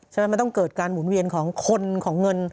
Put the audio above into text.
มันต้องเกิดการหมุนเวียนของคนของเงิน